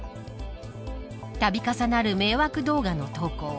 度重なる迷惑動画の投稿。